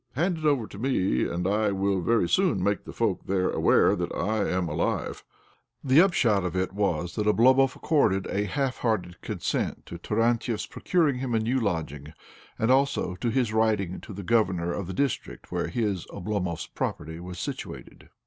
Hand it over to me, and I will very soon make the folk there aware that I am alive I " The upshot of it was that Oblomov accorded a half hearted consent to Taran tiev's procuring him a new lodging, and also to his writing to the governor of the district where his (Oblomov's) property was situated.